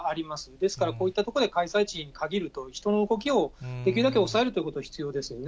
ですから、こういったところで開催地に限ると、人の動きをできるだけ抑えるっていうこと、必要ですよね。